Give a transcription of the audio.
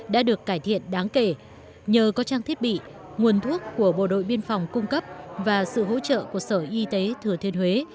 đã được cải thiện đáng kể nhờ có trang thiết bị nguồn thuốc của bộ đội biên phòng cung cấp và sự hỗ trợ của sở y tế thừa thiên huế